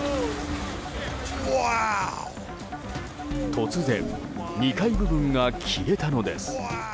突然、２階部分が消えたのです。